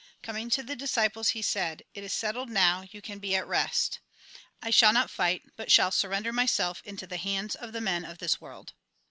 Coming to the disciples, he said :" It is settled now ; you can be at rest. I shall not fight, but shall surrender myself into the hands of the men of this world."